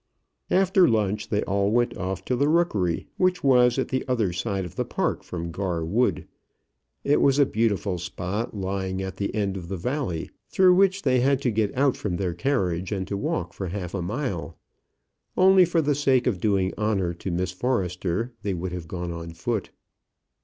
After lunch they all went off to the Rookery, which was at the other side of the park from Gar Wood. It was a beautiful spot, lying at the end of the valley, through which they had to get out from their carriage, and to walk for half a mile. Only for the sake of doing honour to Miss Forrester, they would have gone on foot.